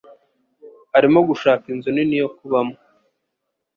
arimo gushaka inzu nini yo kubamo.